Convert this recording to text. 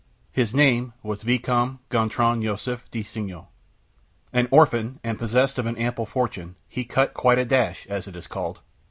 His name was Vicomte Gontran Joseph de Signoles. An orphan, and possessed of an ample fortune, he cut quite a dash, as it is called.